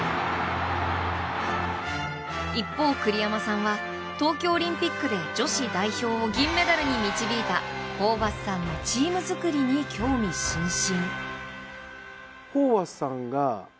一方、栗山さんは東京オリンピックで女子代表を銀メダルに導いたホーバスさんのチーム作りに興味津々。